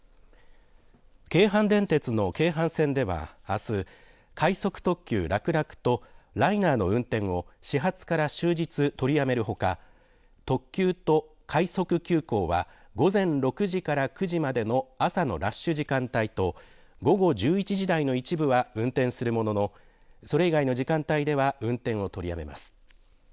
京阪電鉄の京阪線ではあす、快速特急洛楽とライナーの運転を始発から終日取りやめるほか、特急と快速急行は午前６時から９時までの朝のラッシュ時間帯と午後１１時台の一部は運転するもののそれ以外の時間帯では運転を取りやめます。